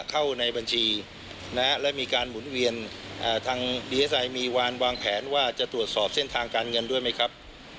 เข้าในบัญชีและมีการหมุนเวียนทางดีเอสไอมีวานวางแผนว่าจะตรวจสอบเส้นทางการเงินด้วยไหมครับ